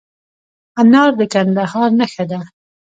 انار د کندهار نښه ده.